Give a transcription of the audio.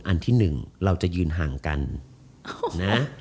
อันที่๑เราจะยืนห่างกันนะ